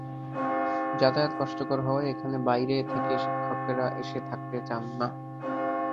যাতায়াত কষ্টকর হওয়ায় এখানে বাইরে থেকে শিক্ষকেরা এসে থাকতে চান না।